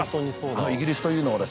イギリスというのはですね